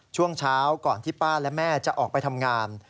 ช่วงเช้าก่อนที่ป้าและแม่จะออกไปทำงาน